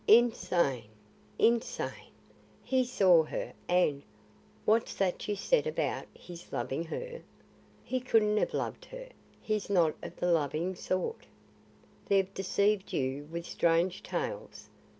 Insane! Insane! He saw her and What's that you said about his loving her? He couldn't have loved her; he's not of the loving sort. They've deceived you with strange tales.